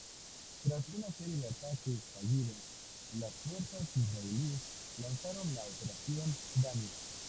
Tras una serie de ataques fallidos, las fuerzas israelíes lanzaron la Operación Dani.